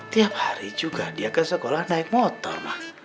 tiap hari juga dia ke sekolah naik motor